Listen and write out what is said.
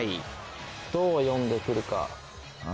どう読んでくるか。